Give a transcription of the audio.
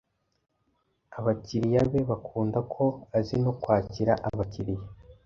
Abakiriya be bakunda ko azi no kwakira abakiriya